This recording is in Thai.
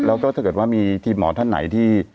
แล้วก็ถ้าเกิดว่ามีทีมหมอท่านไหนที่